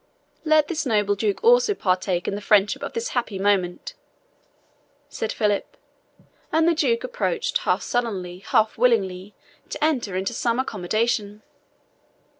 "Let this noble Duke also partake in the friendship of this happy moment," said Philip; and the Duke approached half sullenly, half willing to enter into some accommodation.